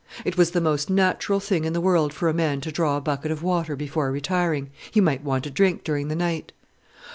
It was the most natural thing in the world for a man to draw a bucket of water before retiring: he might want a drink during the night.